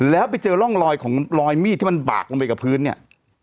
แล้วไปเจอร่องรอยของรอยมีดที่มันบากลงไปกับพื้นเนี่ย